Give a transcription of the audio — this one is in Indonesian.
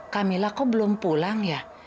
camilla kok belum pulang ya